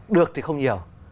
được thì không nhiều